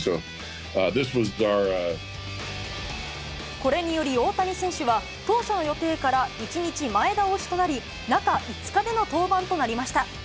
これにより、大谷選手は、当初の予定から１日前倒しとなり、中５日での登板となりました。